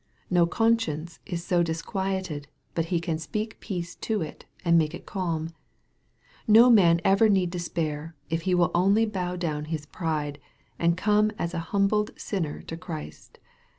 No conscience is so disquieted, but He can speak peace to it, and make it calm. No man ever need despair, if He will only bow down his pride, and come as a humbled sinner to Christ.